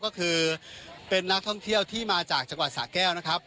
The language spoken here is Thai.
ก็คือเป็นนักท่องเที่ยวที่มาจากจังหวัดสะแก้วนะครับ